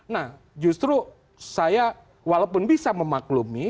nah justru saya walaupun bisa memaklumi